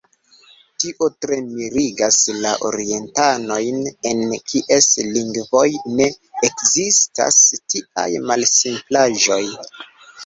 Tio tre mirigas la orientanojn, en kies lingvoj ne ekzistas tiaj malsimplaĵoj.